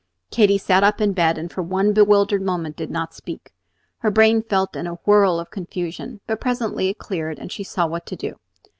Katy sat up in bed, and for one bewildered moment did not speak. Her brain felt in a whirl of confusion; but presently it cleared, and she saw what to do.